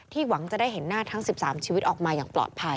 หวังจะได้เห็นหน้าทั้ง๑๓ชีวิตออกมาอย่างปลอดภัย